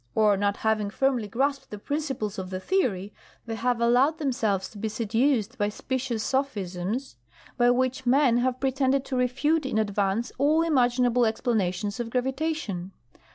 Or not having firmly grasped the principles of the theory, they have allowed themselves to be seduced by specious sophisms, by which men have pretended to refute in advance all imaginable explanations of gravitation.